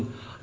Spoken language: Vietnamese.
đòi hỏi là